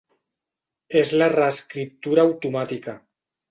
És la reescriptura automàtica.